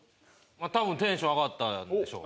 たぶんテンション上がったんでしょう。